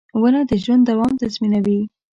• ونه د ژوند دوام تضمینوي.